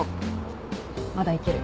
まだいける。